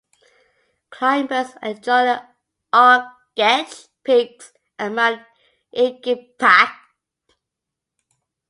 Climbers enjoy the Arrigetch Peaks and Mount Igikpak.